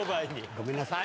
ごめんなさい。